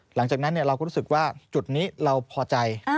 หลังจากนั้นเราก็รู้สึกว่าจุดนี้เราพอใจ